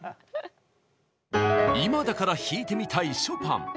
今だから弾いてみたいショパン。